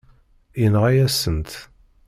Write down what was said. Yenɣa-yasen-tt.